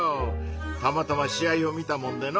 たまたま試合を見たもんでの。